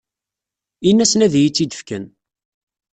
Ini-asen ad iyi-tt-id-fken.